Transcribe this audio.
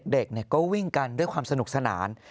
เด็กก็วิ่งกันด้วยความสนุกสนาน